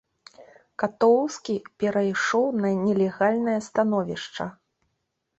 Катоўскі перайшоў на нелегальнае становішча.